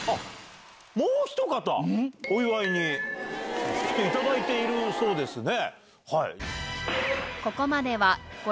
もうひと方お祝いに来ていただいているそうですね。